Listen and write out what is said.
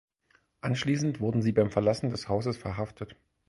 Anschließend wurden sie beim Verlassen des Hauses verhaftet.